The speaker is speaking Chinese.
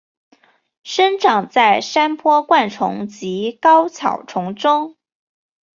生长在山坡灌丛及高草丛中。